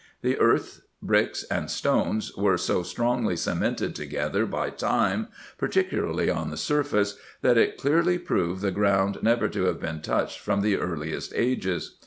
The earth, bricks, and stones, were so strongly cemented together by time, particularly on the surface, that it clearly proved the ground never to have been touched from the earliest ages.